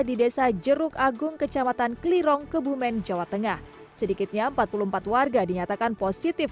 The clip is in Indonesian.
di desa jeruk agung kecamatan klirong kebumen jawa tengah sedikitnya empat puluh empat warga dinyatakan positif